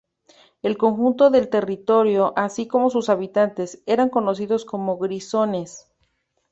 El conjunto del territorio, así como sus habitantes, eran conocidos como Grisones.